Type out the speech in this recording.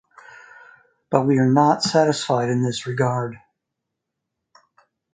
But we are not satisfied in this regard.